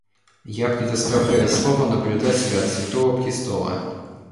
Я предоставляю слово наблюдателю от Святого Престола.